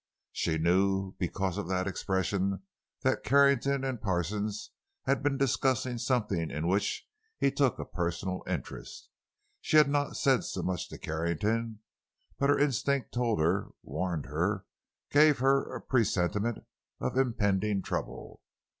She knew because of that expression that Carrington and Parsons had been discussing something in which he took a personal interest. She had not said so much to Carrington, but her instinct told her, warned her, gave her a presentiment of impending trouble.